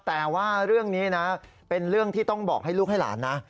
แต่ว่าเรื่องนี้นะเป็นเรื่องที่ต้องบอกให้ลูกให้หลานนะ